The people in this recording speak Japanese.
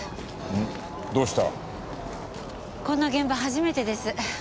こんな現場初めてです。